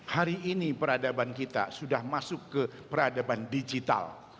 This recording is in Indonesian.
hari ini peradaban kita sudah masuk ke peradaban digital